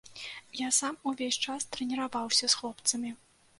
Я сам увесь час трэніраваўся з хлопцамі.